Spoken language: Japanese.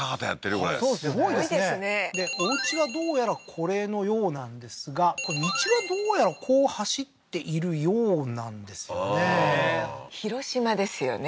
これすごいですねでおうちはどうやらこれのようなんですが道はどうやらこう走っているようなんですよね広島ですよね